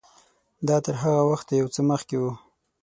دا تر هغه وخته یو څه مخکې و.